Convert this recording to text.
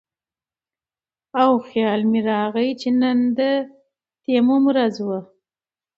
او خيال مې راغے چې نن د تيمم ورځ وه